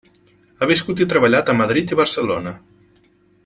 Ha viscut i treballat a Madrid i Barcelona.